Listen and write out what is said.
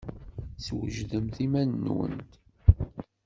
Swejdemt iman-nwent.